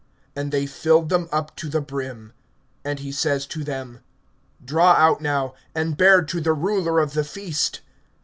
And they filled them up to the brim. (8)And he says to them: Draw out now, and bear to the ruler of the feast.